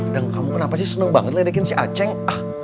dan kamu kenapa sih seneng banget ledakin si aceh